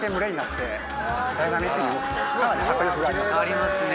ありますね。